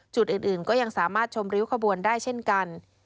จุดอื่นก็ยังสามารถชมริ้วขบวนได้เช่นกัน